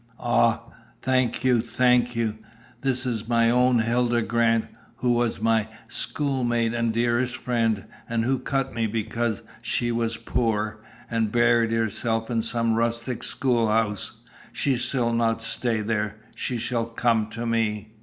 "Ah! Thank you, thank you. This is my own Hilda Grant, who was my schoolmate and dearest friend, and who cut me because she was poor, and buried herself in some rustic school house. She shall not stay there. She shall come to me."